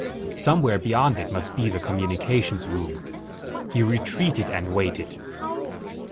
Somewhere beyond it must be the communications room. He retreated and waited.